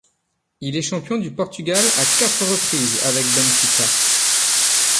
Il est champion du Portugal à quatre reprises avec Benfica.